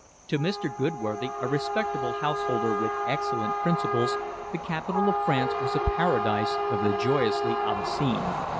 To Mr. Goodworthy, a respectable householder with excellent principles, the capital of France was a paradise of the joyously obscene.